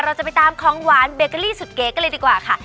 เราจะไปตามของหวานเบเกอรี่สุดเก๋กันเลยดีกว่าค่ะ